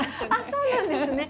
そうなんですね。